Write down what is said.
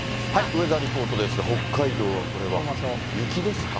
ウェザーリポートですが、北海道はこれは雪ですか？